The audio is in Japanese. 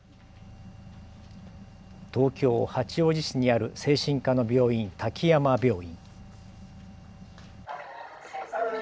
東京八王子市にある精神科の病院、滝山病院。